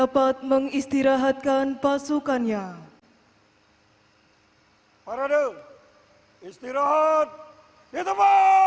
pendidikan negara renungan negara teman wajib